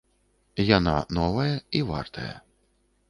Яна новая і вартая.